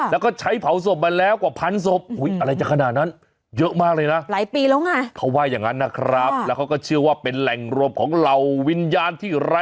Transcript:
แล้วก็ใช้เผาศพมาแล้วกว่าพันธุ์ศพอะไรจากขนาดนั้น